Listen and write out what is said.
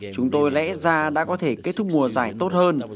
chúng tôi lẽ ra đã có thể kết thúc mùa giải tốt hơn